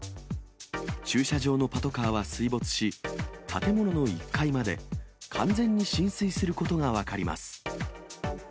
駐車場のパトカーは水没し、建物の１階まで完全に浸水することが分かります。